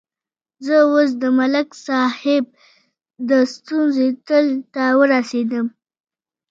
زه اوس د ملک صاحب د ستونزې تل ته ورسېدلم.